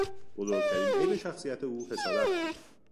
بزرگترین عیب شخصیت او حسادت بود.